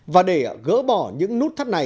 và để gỡ bỏ những nút thắt này